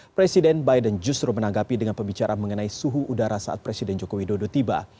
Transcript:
presiden biden justru menanggapi dengan pembicaraan mengenai suhu udara saat presiden joko widodo tiba